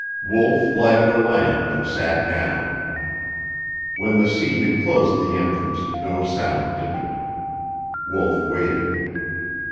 Wolf lighted a lamp and sat down. When the sea had closed the entrance, no sound entered. Wolf waited.